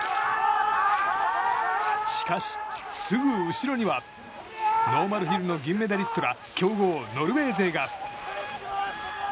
しかし、すぐ後ろにはノーマルヒルの銀メダリストら強豪ノルウェー勢が。